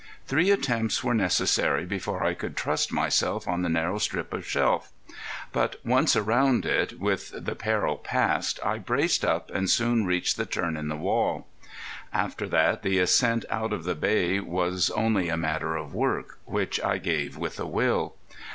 Three attempts were necessary before I could trust myself on the narrow strip of shelf. But once around it with the peril passed, I braced up and soon reached the turn in the wall. After that the ascent out of the Bay was only a matter of work, which I gave with a will.